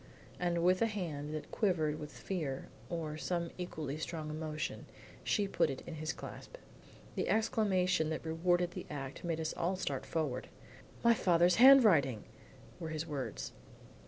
And with a hand that quivered with fear or some equally strong emotion, she put it in his clasp. The exclamation that rewarded the act made us all start forward. "My father's handwriting!" were his words.